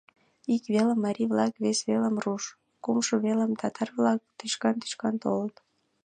Ик велым марий-влак, вес велым руш, кумшо велым татар-влак тӱшкан-тӱшкан толыт.